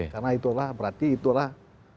karena itu adalah berarti itu adalah